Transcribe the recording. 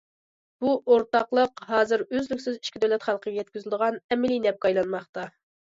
بۇ ئورتاقلىق ھازىر ئۈزلۈكسىز ئىككى دۆلەت خەلقىگە يەتكۈزۈلىدىغان ئەمەلىي نەپكە ئايلانماقتا.